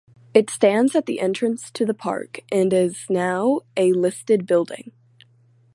It stands at the entrance to the park and is now a listed building.